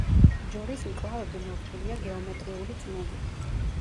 ჯვრის მკლავები მორთულია გეომეტრიული წნულით.